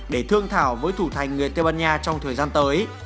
để thương thảo với thủ thành người tây ban nha trong thời gian tới